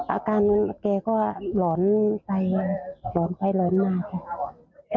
อาการแกก็หลอนไปหลอนไปหลอนมากค่ะ